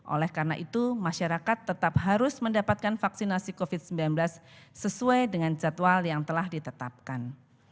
oleh karena itu masyarakat tetap harus mendapatkan vaksinasi covid sembilan belas sesuai dengan jadwal yang telah ditetapkan